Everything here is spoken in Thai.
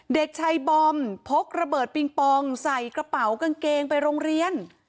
เด็กชายบอมพกระเบิดปิงปองใส่กระเป๋ากางเกงไปโรงเรียน